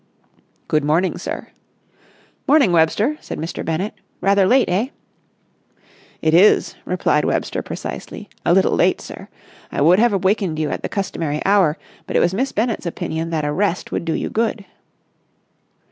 "Good morning, sir." "Morning, Webster," said Mr. Bennett. "Rather late, eh?" "It is," replied Webster precisely, "a little late, sir. I would have awakened you at the customary hour, but it was Miss Bennett's opinion that a rest would do you good."